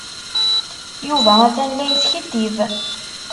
Yuba atan la yeskiddib.